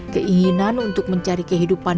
keinginan untuk mencari kehidupan